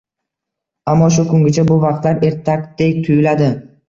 Ammo shu kungacha bu vaqtlar ertakdek tuyuladi